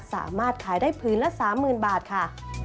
สามารถขายได้ผืนละ๓๐๐๐บาทค่ะ